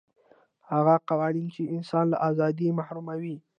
هغه قوانین چې انسان له ازادۍ محروموي.